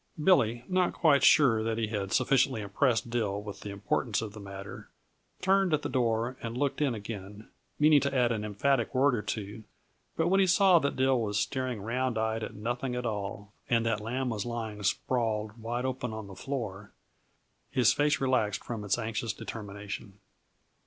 Billy, not quite sure that he had sufficiently impressed Dill with the importance of the matter, turned at the door and looked in again, meaning to add an emphatic word or two; but when he saw that Dill was staring round eyed at nothing at all, and that Lamb was lying sprawled wide open on the floor, his face relaxed from its anxious determination.